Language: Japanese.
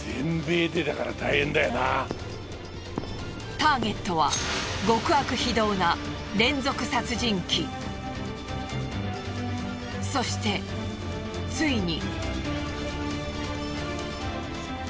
ターゲットは極悪非道なそしてついに。